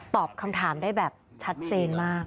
ตอบคำถามได้แบบชัดเจนมาก